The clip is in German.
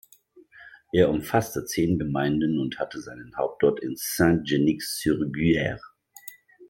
Er umfasste zehn Gemeinden und hatte seinen Hauptort in Saint-Genix-sur-Guiers.